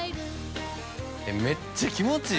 ◆めっちゃ気持ちいい。